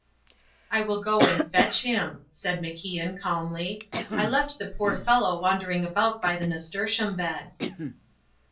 "I will go and fetch him," said MacIan, calmly; "I left the poor fellow wandering about by the nasturtium bed."